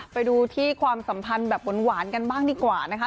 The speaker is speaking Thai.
ไปดูที่ความสัมพันธ์แบบหวานกันบ้างดีกว่านะคะ